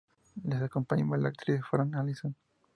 Les acompañaba la actriz Fran Allison.